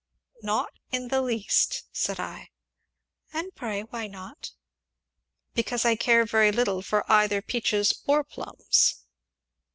"Not in the least," said I. "And, pray, why not?" "Because I care very little for either peaches or plums."